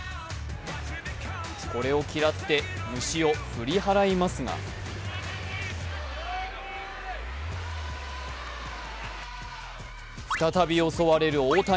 これを嫌って虫を振り払いますが再び襲われる大谷。